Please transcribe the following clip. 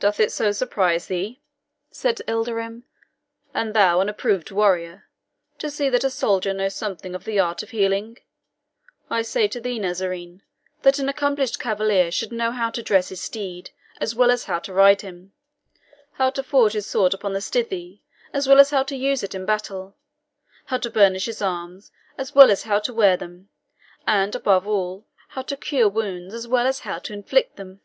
"Doth it so surprise thee," said Ilderim, "and thou an approved warrior, to see that a soldier knows somewhat of the art of healing? I say to thee, Nazarene, that an accomplished cavalier should know how to dress his steed, as well as how to ride him; how to forge his sword upon the stithy, as well as how to use it in battle; how to burnish his arms, as well as how to wear them; and, above all, how to cure wounds, as well as how to inflict them."